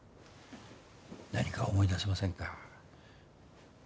何か思い出せませんか？